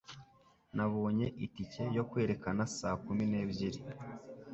Nabonye itike yo kwerekana saa kumi n'ebyiri